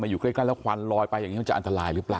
มาอยู่ใกล้แล้วควันลอยไปต้องจะอันตรายรึเปล่า